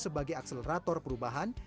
sebagai akselerator perubahan